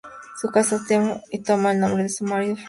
Se casa y toma el nombre de su marido, Fournier.